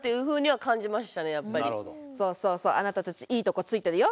そうそうそうあなたたちいいとこついてるよ。